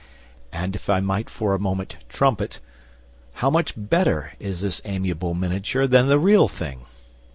And if I might for a moment trumpet! How much better is this amiable miniature than the Real Thing!